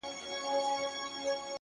وتاته زه په خپله لپه كي _